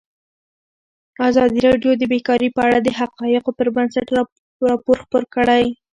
ازادي راډیو د بیکاري په اړه د حقایقو پر بنسټ راپور خپور کړی.